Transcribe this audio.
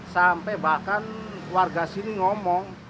sampai bahkan warga sini ngomong